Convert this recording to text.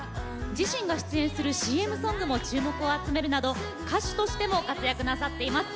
自身が出演するＣＭソングも注目を集めるなど歌手としても活躍なさっています。